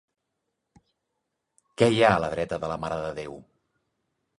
Què hi ha a la dreta de la Mare de Déu?